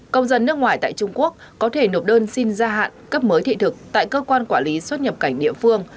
công dân nước ngoài tại trung quốc có thể nộp đơn xin gia hạn cấp mới thị thực tại cơ quan quản lý xuất nhập cảnh địa phương